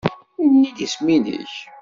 Ini-iyi-d isem-nnek.